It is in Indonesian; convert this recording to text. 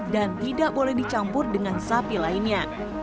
dan tidak boleh dicampur dengan sapi lainnya